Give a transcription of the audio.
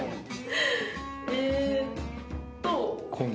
えーっと。